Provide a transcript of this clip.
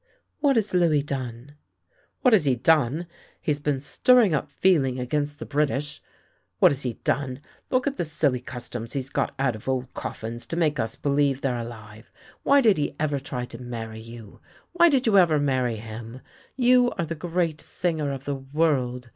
" What has Louis done? "" What has he done! He's been stirring up feeling against the British, What has he done !— Look at the silly customs he's got out of old coffins, to make us believe they're alive! Why did he ever try to marry you? Why did you ever marry him? You are the great singer of the world.